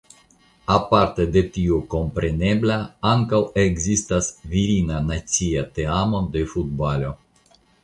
Aparte de tio komprenebla ankaŭ ekzistas virina nacia teamo de futbalo.